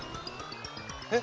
えっ！？